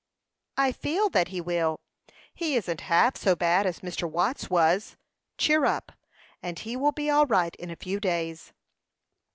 "I feel that he will. He isn't half so bad as Mr. Watts was. Cheer up, and he will be all right in a few days."